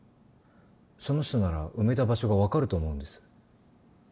その人なら埋めた場所が分かると思うんです。